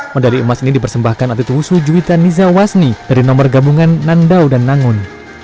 medali emas ini dipersembahkan atlet wusu juwita niza wasni dari nomor gabungan nandao dan nangun